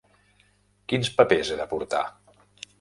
Quins papers he de portar?